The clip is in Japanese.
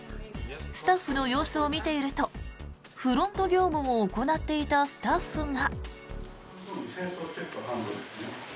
スタッフの様子を見ているとフロント業務を行っていたスタッフが。